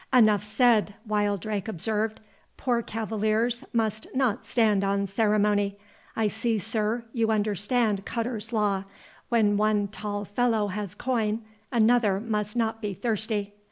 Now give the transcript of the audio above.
"Enough said," Wildrake observed; "poor cavaliers must not stand on ceremony. I see, sir, you understand cutter's law—when one tall fellow has coin, another must not be thirsty.